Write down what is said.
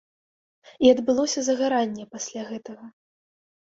І адбылося загаранне пасля гэтага.